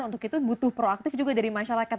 untuk itu butuh proaktif juga dari masyarakat